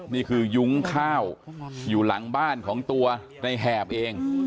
ยุ้งข้าวอยู่หลังบ้านของตัวในแหบเอง